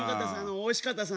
おいしかったです